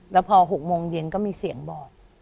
แล้วพอ๖โมงเย็นก็มีเสียงบอก